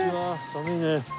寒いね。